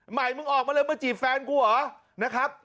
ใหม่มึงออกมาเลยมาจีบแฟนกูเหรอนะครับ